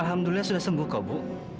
alhamdulillah sudah sembuh kok bu